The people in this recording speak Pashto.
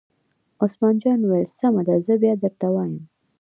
عثمان جان وویل: سمه ده زه بیا درته وایم.